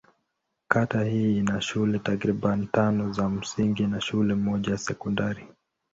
Kata hii ina shule takriban tano za msingi na shule moja ya sekondari.